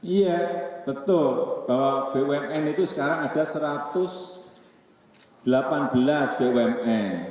iya betul bahwa bumn itu sekarang ada satu ratus delapan belas bumn